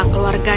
ayo cepat pergi